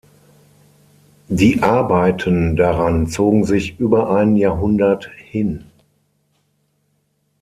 Die Arbeiten daran zogen sich über ein Jahrhundert hin.